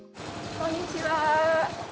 こんにちは。